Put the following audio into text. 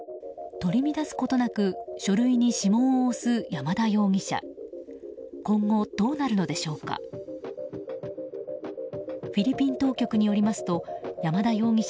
取り乱すことなく書類に指紋を押す山田容疑者。